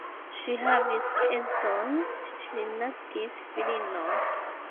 Ŝi havis edzon, ŝi naskis filinon.